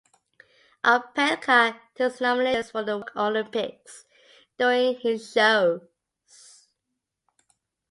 Opelka takes nominations for the "woke olympics" during his shows.